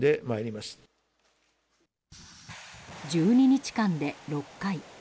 １２日間で６回。